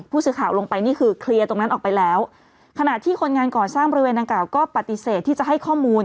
ผู้สื่อข่าวลงไปนี่คือเคลียร์ตรงนั้นออกไปแล้วขณะที่คนงานก่อสร้างบริเวณดังกล่าวก็ปฏิเสธที่จะให้ข้อมูล